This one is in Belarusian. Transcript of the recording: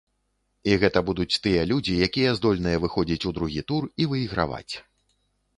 І гэта будуць тыя людзі, якія здольныя выходзіць у другі тур і выйграваць.